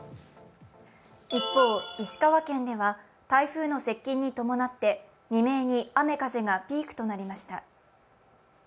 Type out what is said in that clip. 一方、石川県では台風の接近に伴って未明に雨風がピークとなりました。